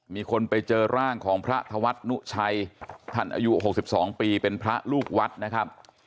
มีคนไปเจอร่างของพระธวัฒนุชัยท่านอายุ๖๒ปีเป็นพระลูกวัดนะครับ